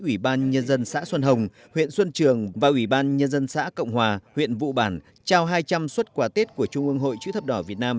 ủy ban nhân dân xã xuân hồng huyện xuân trường và ủy ban nhân dân xã cộng hòa huyện vụ bản trao hai trăm linh xuất quà tết của trung ương hội chữ thập đỏ việt nam